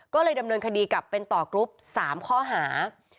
ก็เลยดำเนินคดีกับเป็นต่อกรุ๊ป๓ข้อหา